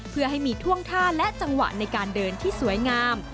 เพื่อให้มีท่วงท่าและจังหวะในการเดินที่สวยงาม